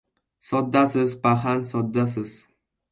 — Soddasiz, paxan, soddasiz!